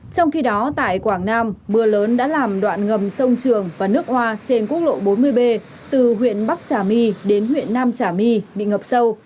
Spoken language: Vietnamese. trong khi đó tại quảng nam mưa lớn đã làm đoạn ngầm sông trường và nước hoa trên quốc lộ bốn mươi b từ huyện bắc trà my đến huyện nam trà my bị ngập sâu